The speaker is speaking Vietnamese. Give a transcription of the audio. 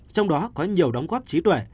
trong đó có nhiều đóng góp trí tuệ